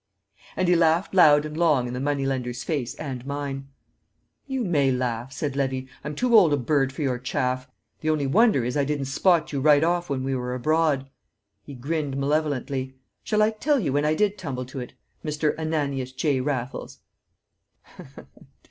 And he laughed loud and long in the moneylender's face and mine. "You may laugh," said Levy. "I'm too old a bird for your chaff; the only wonder is I didn't spot you right off when we were abroad." He grinned malevolently. "Shall I tell you when I did tumble to it Mr. Ananias J. Raffles?"